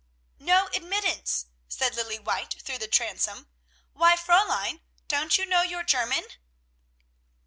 "No admittance," said Lilly White through the transom. "Why, Fräulein, don't you know your own German?"